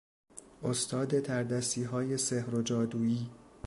استاد تردستیهای سحر و جادویی